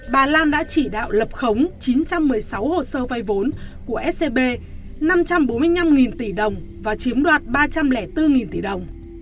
bà lan đã chỉ đạo lập khống chín trăm một mươi sáu hồ sơ vay vốn của scb năm trăm bốn mươi năm tỷ đồng và chiếm đoạt ba trăm linh bốn tỷ đồng